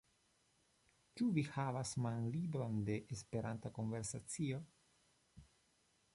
Ĉu vi havas manlibrojn de esperanta konversacio?